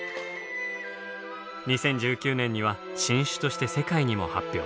２０１９年には新種として世界にも発表。